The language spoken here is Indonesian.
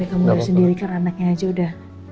tapi kamu udah sendirikan anaknya aja udah